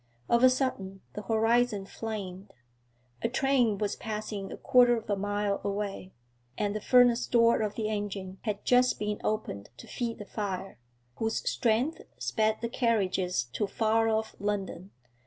Of a sudden the horizon flamed. A train was passing a quarter of a mile away, and the furnace door of the engine had just been opened to feed the fire, whose strength sped the carriages to far off London.